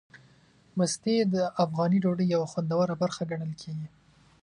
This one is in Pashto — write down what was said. مستې د افغاني ډوډۍ یوه خوندوره برخه ګڼل کېږي.